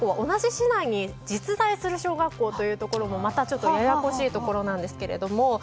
同じ市内に実在する小学校というところもまたややこしいところなんですけども。